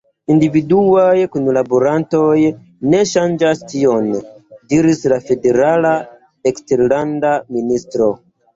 Individuaj kunlaborantoj ne ŝanĝas tion," diris la Federala Eksterlanda Ministro.